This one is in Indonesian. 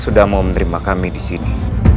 sudah mau menerima kami di sini